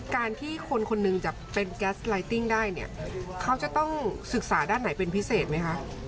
การที่คนคนหนึ่งจะเป็นแก๊สไลติ้งได้เนี่ยเขาจะต้องศึกษาด้านไหนเป็นพิเศษไหมคะ